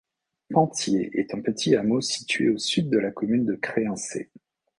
Panthier est un petit hameau situé au sud de la commune de Créancey.